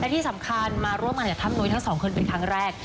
ที่สำคัญมาร่วมงานกับถ้ำนุ้ยทั้งสองคนเป็นครั้งแรก